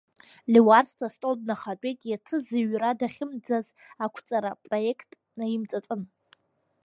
Леуарса астол днахатәеит иацы зыҩра дахьымӡаз ақәҵара апроект наимҵаҵаны.